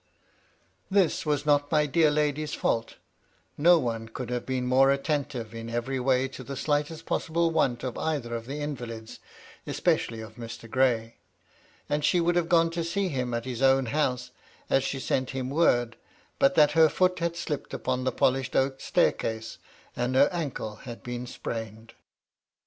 This was not my dear lady's &ult ; no one could have been more attentive in every way to the slightest possible want of either of the invalids, especially of Mr. Gray. And he would have gone to see him at his own house, as she sent him word, but that her foot had slipped upon the polished oak staircase, and her ancle had been sprained.